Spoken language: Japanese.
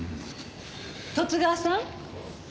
十津川さん。